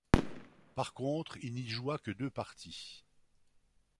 Par contre, il n'y joua que deux parties.